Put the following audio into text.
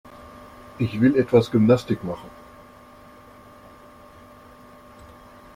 Ich will etwas Gymnastik machen.